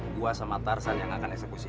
gua sama tarsan yang akan eksekusi